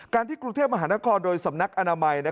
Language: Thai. ที่กรุงเทพมหานครโดยสำนักอนามัย